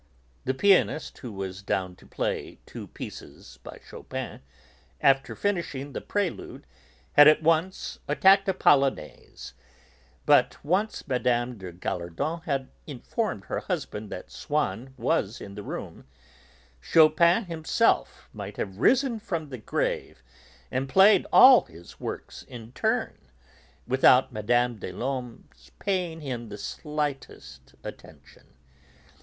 The pianist, who was 'down' to play two pieces by Chopin, after finishing the Prelude had at once attacked a Polonaise. But once Mme. de Gallardon had informed her cousin that Swann was in the room, Chopin himself might have risen from the grave and played all his works in turn without Mme. des Laumes's paying him the slightest attention.